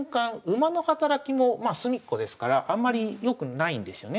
馬の働きもまあ隅っこですからあんまりよくないんですよね。